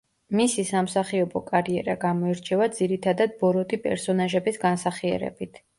მისი სამსახიობო კარიერა გამოირჩევა ძირითადად ბოროტი პერსონაჟების განსახიერებით.